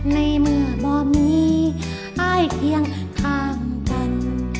ในเมื่อบ่มีอ้ายเคียงข้างกัน